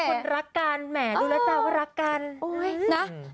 คนรักกันแหมดูแล้วจ้าว่ารักกันนะ